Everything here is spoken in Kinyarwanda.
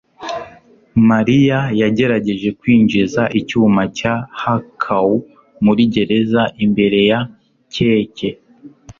mariya yagerageje kwinjiza icyuma cya hackaw muri gereza imbere ya keke